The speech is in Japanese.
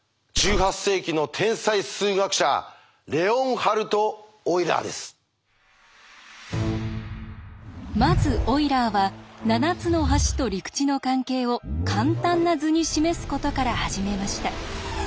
１８世紀の天才数学者まずオイラーは７つの橋と陸地の関係を簡単な図に示すことから始めました。